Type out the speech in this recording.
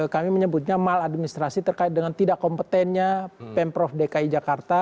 kami menyebutnya maladministrasi terkait dengan tidak kompetennya pemprov dki jakarta